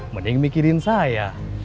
mending mikirin saya